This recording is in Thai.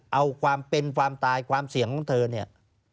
เอาความเป็นความตายความเสี่ยงของเธอเนี่ย